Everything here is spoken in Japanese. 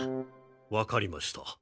わかりました。